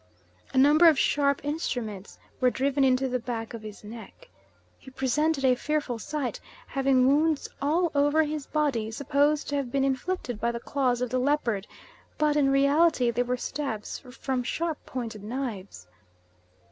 A number of sharp instruments were driven into the back of his neck. He presented a fearful sight, having wounds all over his body supposed to have been inflicted by the claws of the leopard, but in reality they were stabs from sharp pointed knives.